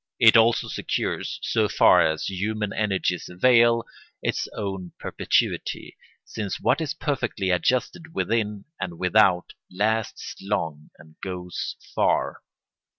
It also secures, so far as human energies avail, its own perpetuity, since what is perfectly adjusted within and without lasts long and goes far.